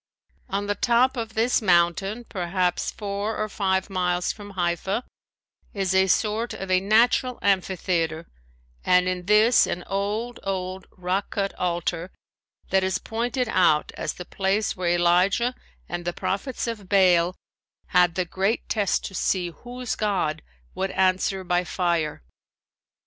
On the top of this mountain perhaps four or five miles from Haifa is a sort of a natural amphitheater and in this an old, old, rock cut altar that is pointed out as the place where Elijah and the prophets of Baal had the great test to see whose god would answer by fire.